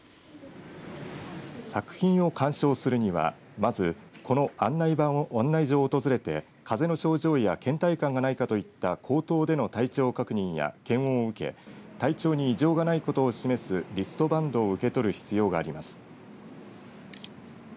作品を鑑賞するには、まずこの案内所を訪れてかぜの症状やけん怠感がないかといった口頭での体調確認や検温を受け体調に異常がないことを示すリストバンドを受け取る必要があります。